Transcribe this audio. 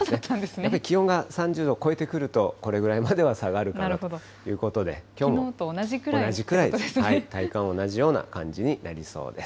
やっぱり気温が３０度を超えてくると、これぐらいまでは下がるかなということで、きょうも同じくらい、体感同じような感じになりそうです。